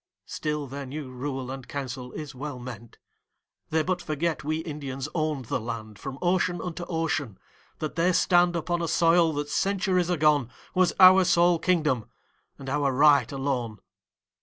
Still their new rule and council is well meant. They but forget we Indians owned the land From ocean unto ocean; that they stand Upon a soil that centuries agone Was our sole kingdom and our right alone.